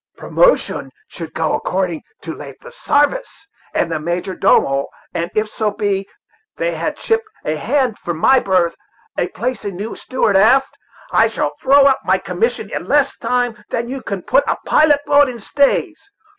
"Promotion should go according to length of sarvice," said the major domo; "and if so be that they ship a hand for my berth, or place a new steward aft, I shall throw up my commission in less time than you can put a pilot boat in stays.